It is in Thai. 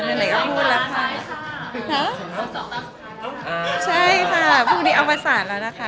ในไหนก็พูดแล้วค่ะใช่ค่ะพรุ่งนี้อวสารแล้วนะคะ